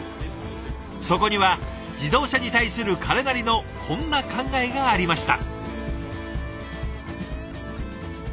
そこには自動車に対する彼なりのこんな考えがありました。